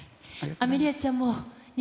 アメリアちゃん。